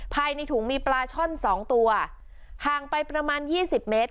ภายในถุงมีปลาช่อนสองตัวห่างไปประมาณยี่สิบเมตร